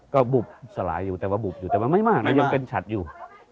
ก็บุบสลายอยู่แต่ว่าบุบอยู่แต่มันไม่มากนะยังเป็นฉัดอยู่